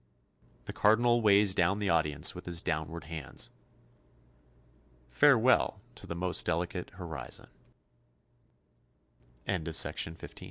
The Cardinal weighs down the audience with his downward hands. Farewell to the most delicate horizon. HABITS AND CONSCIOUS